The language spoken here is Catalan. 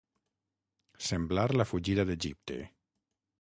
Semblar la fugida d'Egipte.